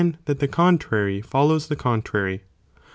that the contrary follows the contrary.